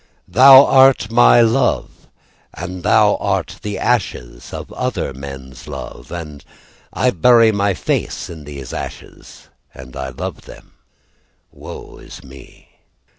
Thou art my love, And thou art the ashes of other men's love, And I bury my face in these ashes, And I love them Woe is me.